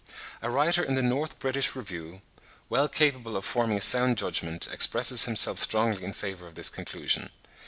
A writer in the 'North British Review' (July 1869, p. 531), well capable of forming a sound judgment, expresses himself strongly in favour of this conclusion.